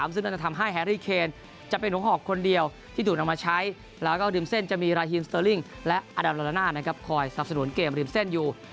ซึ่งจะทำให้แฮรี่เคนจะเป็นหงษ์หอกคนเดียวที่ถูกนำมาใช้แล้วก็ลืมเส้นจะมีราฮีมสเตอริ่งและอัดับลานานะครับคอยสรรสนุนเกมลืมเส้นอยู่